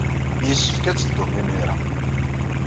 Yessefk ad teddum imir-a.